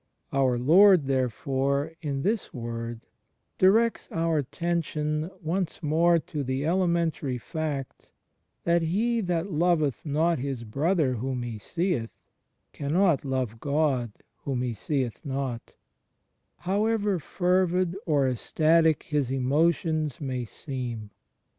Our Lord, therefore, in this Word directs our attention once more to the elementary fact that ''he that loveth not his brother whom he seeth, cannot love God whom he seeth not," however fervid or ecstatic his emotions may seem.